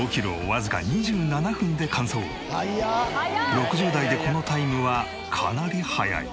６０代でこのタイムはかなり速い。